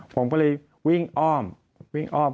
ผมก็เลยวิ่งอ้อม